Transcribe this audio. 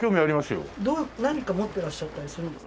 何か持ってらっしゃったりするんですか？